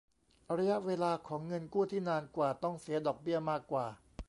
ระยะเวลาของเงินกู้ที่นานกว่าต้องเสียดอกเบี้ยมากกว่า